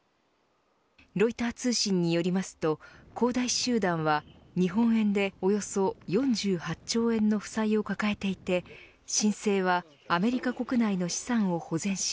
ロイター通信によりますと恒大集団は日本円でおよそ４８兆円の負債を抱えていて申請はアメリカ国内の資産を保全し